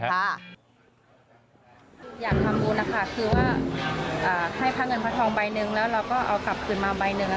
อยากทำบุญนะคะคือว่าให้พระเงินพระทองใบหนึ่งแล้วเราก็เอากลับคืนมาใบหนึ่ง